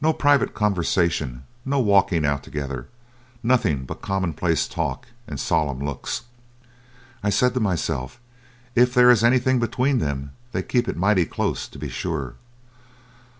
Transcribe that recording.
No private conversation, no walking out together, nothing but commonplace talk and solemn looks. I said to myself, 'If there is anything between them, they keep it mighty close to be sure.'